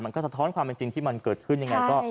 มันก็สะท้อนความจริงที่มันเกิดขึ้น